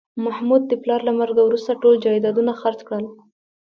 محمود د پلار له مرګه وروسته ټول جایدادونه خرڅ کړل